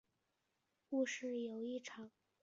故事由一场足球队的考试开始。